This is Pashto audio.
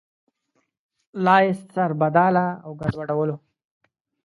لا یې سربداله او ګډوډولو.